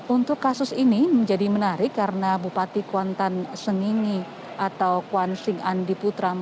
untuk kasus ini menjadi menarik karena bupati kuantan sengingi atau kuansing andi putra